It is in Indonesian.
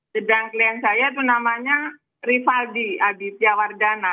sedang klien saya itu namanya rifaldi adityawardana